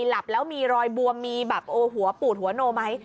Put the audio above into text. หลับแล้วมีรอยบวมมีแบบโอ้หัวปูดหัวโนไหม